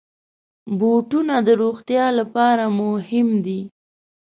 بوټونه د روغتیا لپاره مهم دي.